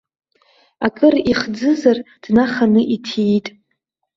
Акыр ихӡызар днаханы иҭиит.